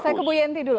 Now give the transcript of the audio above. saya ke bu yanti dulu